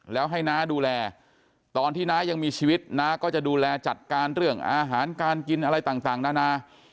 แล้วให้น้าดูแลตอนที่น้ายังมีชีวิตน้าก็จะดูแลจัดการเรื่องอาหารการกินอะไรต่างนานา